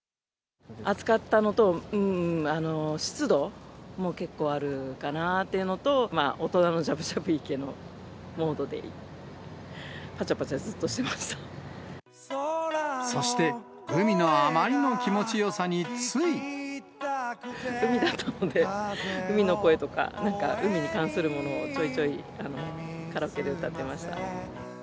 暑かったのと、うーん、湿度も結構あるかなっていうのと、大人のじゃぶじゃぶ池のモードで、そして、海だったので、海の声とか、なんか海に関するものを、ちょいちょいカラオケで歌ってました。